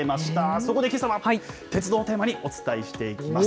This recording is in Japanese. そこでけさは、鉄道をテーマにお伝えしていきます。